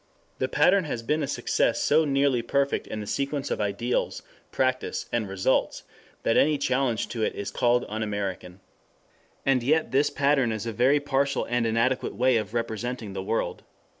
The pattern has been a success so nearly perfect in the sequence of ideals, practice, and results, that any challenge to it is called un American. And yet, this pattern is a very partial and inadequate way of representing the world.